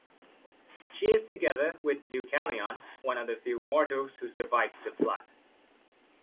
She is together with Deucalion, one of the few mortals who survived the flood.